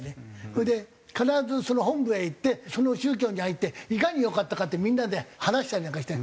それで必ずその本部へ行ってその宗教に入っていかに良かったかってみんなで話したりなんかして。